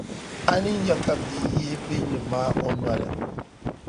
a ni nya ka bia yihi bihili maa o noli.